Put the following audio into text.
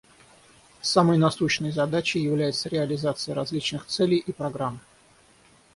Самой насущной задачей является реализация различных целей и программ.